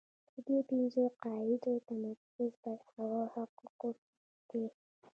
د دې پنځو قاعدو تمرکز پر هغو حقوقو دی.